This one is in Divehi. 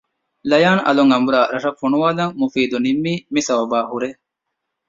ލަޔާން އަލުން އަނބުރާ ރަށަށް ފޮނުވާލަން މުފީދު ނިންމީ މި ސަބަބާހުރޭ